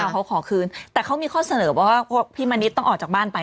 เขาขอคืนแต่เขามีข้อเสนอว่าพี่มณิษฐ์ต้องออกจากบ้านไป